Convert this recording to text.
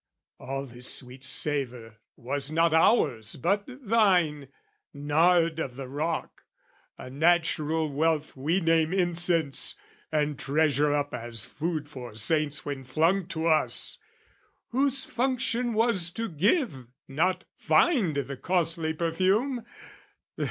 All this sweet savour was not ours but thine, Nard of the rock, a natural wealth we name Incense, and treasure up as food for saints, When flung to us whose function was to give Not find the costly perfume.